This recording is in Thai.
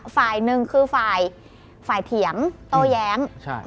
ฝ่ายหนึ่งคือฝ่ายเถียมโตแย้ม